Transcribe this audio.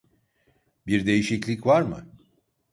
Bir değişiklik var mı?